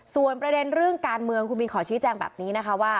ส่วนประเด็นเรื่องการเมืองคุณบินขอชี้แจงแบบนี้นะคะว่า